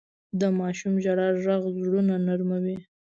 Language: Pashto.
د ماشوم ژړا ږغ زړونه نرموي.